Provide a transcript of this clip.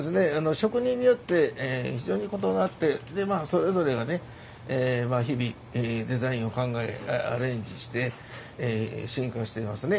職人によって非常に異なってそれぞれが日々デザインを考えアレンジして進化していますね。